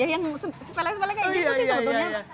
yang sepele sepele kayak gitu sih sebetulnya